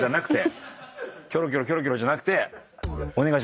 キョロキョロキョロキョロじゃなくて。